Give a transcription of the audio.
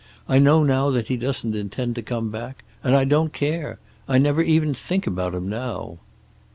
I know now that he doesn't intend to come back, and I don't care. I never even think about him, now."